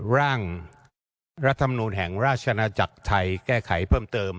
ร่างรัฐธรรมนูลแห่งราชนาจักรไทยแก้ไขเพิ่มเติม